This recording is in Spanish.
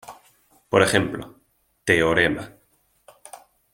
Por ejemplo:Teorema.